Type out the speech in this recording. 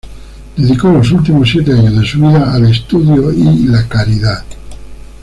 Dedicó los últimos siete años de su vida al estudio y la caridad.